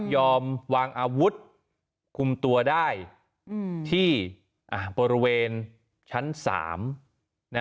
วางอาวุธคุมตัวได้ที่บริเวณชั้น๓